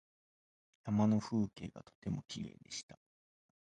山の風景がとてもきれいでした。